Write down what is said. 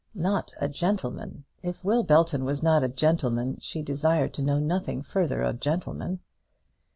Not a gentleman! If Will Belton was not a gentleman, she desired to know nothing further of gentlemen.